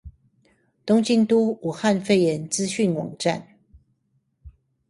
東京都武漢肺炎資訊網站